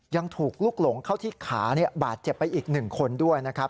ยังถูกลุกหลงเข้าที่ขาบาดเจ็บไปอีก๑คนด้วยนะครับ